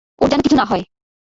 ওর যেন কিছু না হয়।